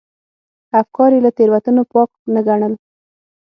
افکار یې له تېروتنو پاک نه ګڼل.